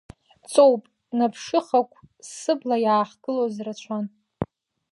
Ҵоуп, наԥшыхақу сыбла иаахгылоз рацәан…